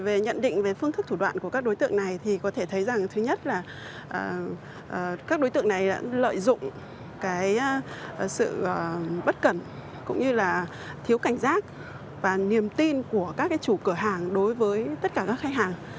về nhận định về phương thức thủ đoạn của các đối tượng này thì có thể thấy rằng thứ nhất là các đối tượng này đã lợi dụng sự bất cẩn cũng như là thiếu cảnh giác và niềm tin của các chủ cửa hàng đối với tất cả các khách hàng